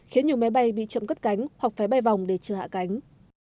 khiến nhiều máy bay bị chậm cất cánh hoặc phải bay vòng để chờ hạ cánh